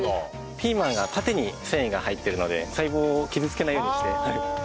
ピーマンが縦に繊維が入っているので細胞を傷つけないようにして。